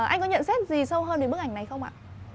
anh có nhận xét gì sâu hơn về bức ảnh này không ạ